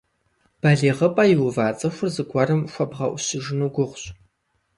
БалигъыпӀэ иува цӀыхур зыгуэрым хуэбгъэӀущыжыну гугъущ.